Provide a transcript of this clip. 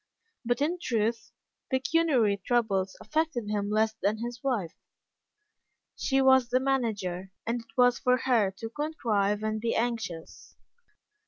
But, in truth, pecuniary troubles affected him less than his wife. She was the manager, and it was for her to contrive and be anxious.